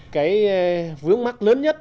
cái vướng mắt lớn nhất